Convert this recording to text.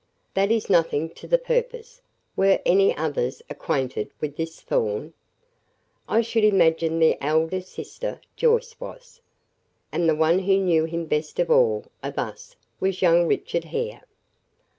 "That is nothing to the purpose. Were any others acquainted with this Thorn?" "I should imagine the elder sister, Joyce, was. And the one who knew him best of all of us was young Richard Hare."